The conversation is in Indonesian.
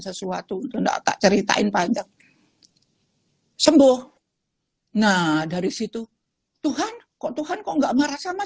sesuatu tidak tak ceritain panjang hai sembuh nah dari situ tuhan kau tuhan kau nggak marah sama